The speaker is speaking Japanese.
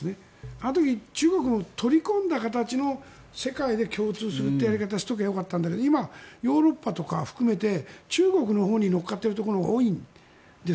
あの時、中国も取り込んだ形の世界に共通するやり方をしとけばよかったんだけど今、ヨーロッパとか含めて中国のほうに乗っかってるところのほうが多いんです。